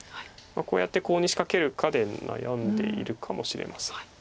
こうやってコウに仕掛けるかで悩んでいるかもしれません。